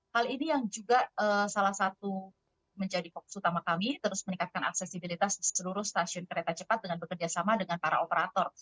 hal ini yang juga salah satu menjadi fokus utama kami terus meningkatkan aksesibilitas di seluruh stasiun kereta cepat dengan bekerjasama dengan para operator